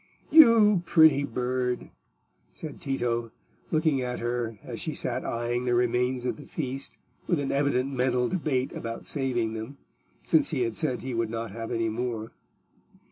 "You pretty bird!" said Tito, looking at her as she sat eyeing the remains of the feast with an evident mental debate about saving them, since he had said he would not have any more.